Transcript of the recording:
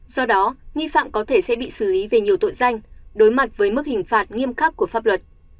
do đó nghi phạm có thể sẽ bị xử lý về nhiều tội danh đối mặt với mức hình phạt nghiêm khắc của pháp luật